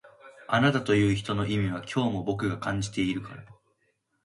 あなたという人の意味は今日も僕が感じてるから